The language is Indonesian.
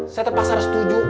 saya terpaksa harus setuju